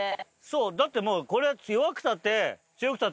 そうだってもうこれ弱くたって強くたって